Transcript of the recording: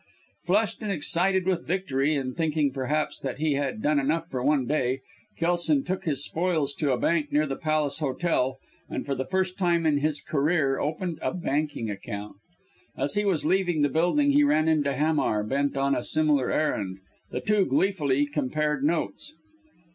Flushed and excited with victory, and thinking, perhaps, that he had done enough for one day, Kelson took his spoils to a bank near the Palace Hotel, and for the first time in his career opened a banking account. As he was leaving the building he ran into Hamar, bent on a similar errand. The two gleefully compared notes.